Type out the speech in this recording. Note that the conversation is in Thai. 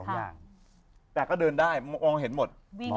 แต่ก็เดินได้วิ่งเห็นหมด